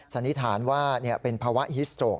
สันนิษฐานว่าเป็นภาวะฮิสโตรก